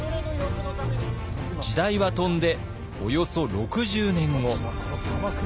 時代は飛んでおよそ６０年後。